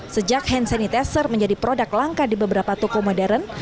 sejak hand sanitizer menjadi produk langka di beberapa toko modern